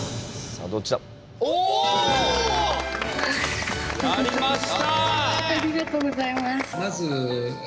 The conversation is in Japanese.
ありがとうございます。